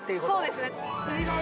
そうですね